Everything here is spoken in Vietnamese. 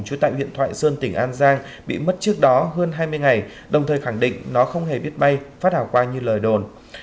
trú tại huyện thoại sơn tỉnh an giang bị mất trước đó hơn hai mươi ngày đồng thời khẳng định nó không hề biết bay phát hào qua như lời đồn